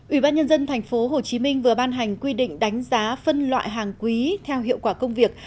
ủy ban nhân dân tp hcm vừa ban hành quy định đánh giá phân loại hàng quý theo hiệu quả công việc